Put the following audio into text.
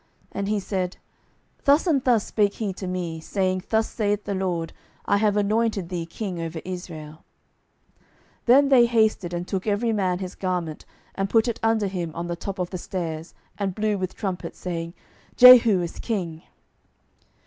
And he said, Thus and thus spake he to me, saying, Thus saith the LORD, I have anointed thee king over Israel. 12:009:013 Then they hasted, and took every man his garment, and put it under him on the top of the stairs, and blew with trumpets, saying, Jehu is king.